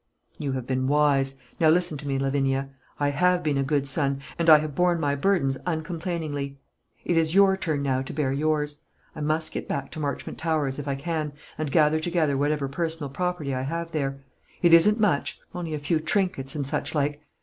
"You have been wise. Now listen to me, Lavinia. I have been a good son, and I have borne my burdens uncomplainingly. It is your turn now to bear yours. I must get back to Marchmont Towers, if I can, and gather together whatever personal property I have there. It isn't much only a few trinkets, and suchlike.